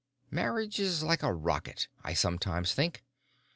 Marriage is like a rocket, I sometimes think.